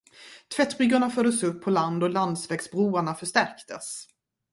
Tvättbryggorna fördes upp på land och landsvägsbroarna förstärktes.